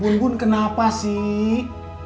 bun bun kenapa sih